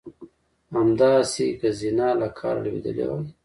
همداسې که زینه له کاره لوېدلې وای.